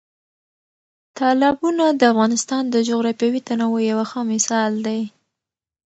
تالابونه د افغانستان د جغرافیوي تنوع یو ښه مثال دی.